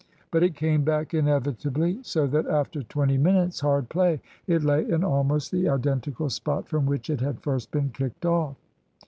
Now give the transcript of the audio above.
But it came back inevitably, so that after twenty minutes' hard play it lay in almost the identical spot from which it had first been kicked off.